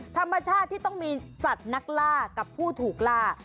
ธรรมชาติที่ต้องมีสัตว์นักล่ากับผู้ถูกล่า